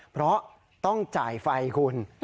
เพราะต้องจ่ายไฟคุณ